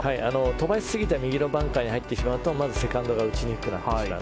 飛ばしすぎて右のバンカーに入ってしまうとまずセカンドが打ちにくくなってしまう。